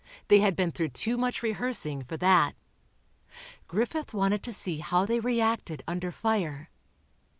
They had been through too much rehearsing, for that. Griffith wanted to see how they reacted under fire.